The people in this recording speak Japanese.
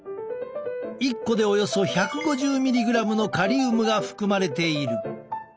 １個でおよそ１５０ｍｇのカリウムが含まれている。